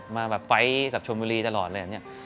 มาไฟล์ซ์กับชมบิลลีตลอดเลย